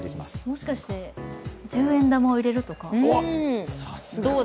もしかして十円玉を入れるとか？